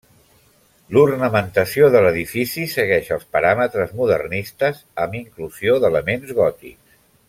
L'ornamentació de l'edifici segueix els paràmetres modernistes amb inclusió d'elements gòtics.